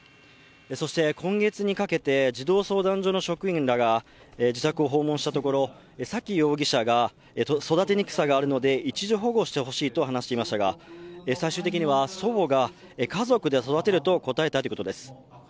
今月にかけて、児童相談所の職員らが自宅を訪問したところ沙喜容疑者が育てにくさがあるので、一時保護してほしいと離していましたが、最終的には祖母が家族で育てると答えたということです。